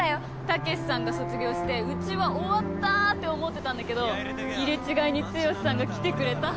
猛さんが卒業してうちは終わったって思ってたんだけど入れ違いに剛さんが来てくれた